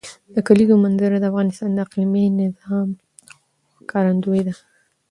د کلیزو منظره د افغانستان د اقلیمي نظام ښکارندوی ده.